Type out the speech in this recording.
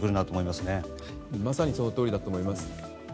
まさにそのとおりだと思います。